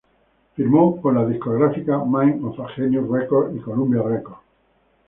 Firmó con las discográficas "Mind of a Genius Records" y "Columbia Records".